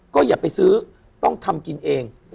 ก็อย่าไปซื้อต้องทำกินเอง